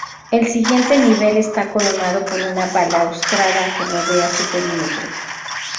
El siguiente nivel está coronado por una balaustrada que rodea su perímetro.